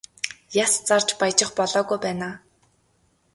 Яс зарж баяжих болоогүй байна аа.